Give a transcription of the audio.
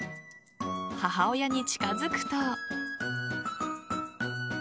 母親に近づくと。